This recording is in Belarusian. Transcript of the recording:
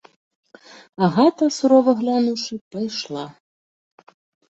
Агата, сурова глянуўшы, пайшла.